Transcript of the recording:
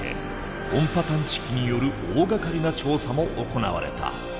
音波探知機による大がかりな調査も行われた。